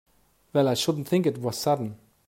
Well I should think it was sudden!